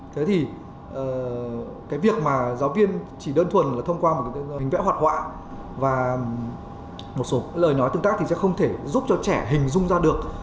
thế thì cái việc mà giáo viên chỉ đơn thuần là thông qua một hình vẽ hoạt họa và một số lời nói tương tác thì sẽ không thể giúp cho trẻ hình dung ra được